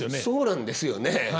そうなんですよね。